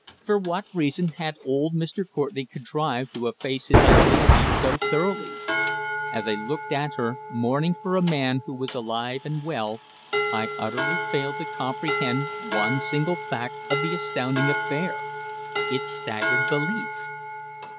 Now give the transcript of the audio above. For what reason had old Courtenay contrived to efface his identity so thoroughly? As I looked at her, mourning for a man who was alive and well, I utterly failed to comprehend one single fact of the astounding affair. It staggered belief!